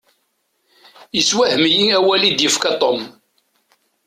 Iswahem-iyi awal i d-yefka Tom.